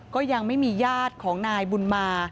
ก็ยังไม่มีญาติของนายบุญมา